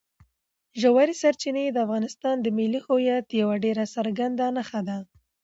ژورې سرچینې د افغانستان د ملي هویت یوه ډېره څرګنده نښه ده.